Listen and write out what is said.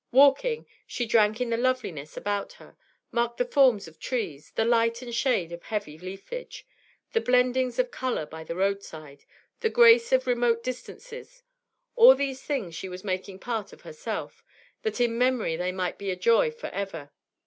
Walking, she drank in the loveliness about her, marked the forms of trees, the light and shade of heavy leafage, the blendings of colour by the roadside, the grace of remote distances; all these things she was making part of herself, that in memory they might be a joy for ever.